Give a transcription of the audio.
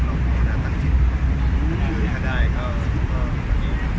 พอลองกับธรรมชาติลองหัวหน้าต่างจิต